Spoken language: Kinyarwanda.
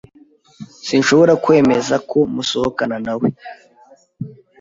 Sinshobora kwemeza ko musohokana nawe.